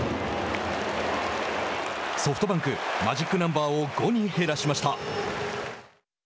ソフトバンクマジックナンバーを５に減らしました。